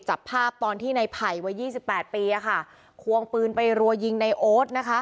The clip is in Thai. จับภาพตอนที่ในไผ่วัยยี่สิบแปดปีอะค่ะควงปืนไปรัวยิงในโอ๊ตนะคะ